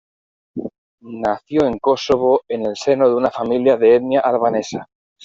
Nació en Kosovo en el seno de una familia de etnia albanesa.